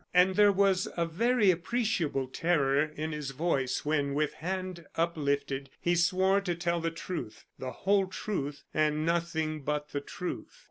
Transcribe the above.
And there was a very appreciable terror in his voice when, with hand uplifted, he swore to tell the truth, the whole truth, and nothing but the truth.